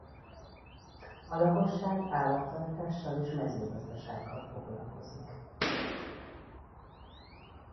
A lakosság állattartással és mezőgazdasággal foglalkozik.